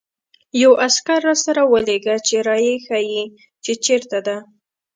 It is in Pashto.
یو عسکر راسره ولېږه چې را يې ښيي، چې چېرته ده.